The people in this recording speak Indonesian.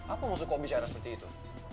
apa maksud kau bicara seperti itu